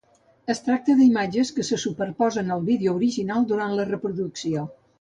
Es tracta d'imatges que se superposen al vídeo original durant la reproducció.